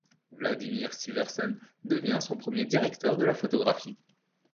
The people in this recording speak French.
Vladimir Siversen devient son premier directeur de la photographie.